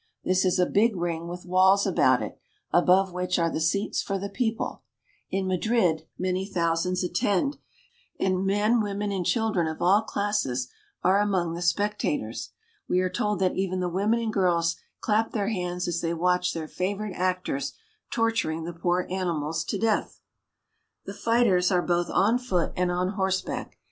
This is a big ring with walls about it, above which are the seats for the people, In Madrid many thousands attend, and men, women, and children of all classes are among the spectators. We are told that even the women and girls clap their hands as they watch their favorite actors torturing the poor animals to death. The fighters are both on foot and on horseback.